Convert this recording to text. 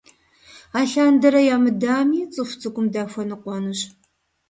Алъандэрэ ямыдами, цӀыху цӀыкӀум дахуэныкъуэнущ.